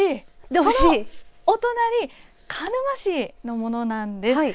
そのお隣鹿沼市のものなんです。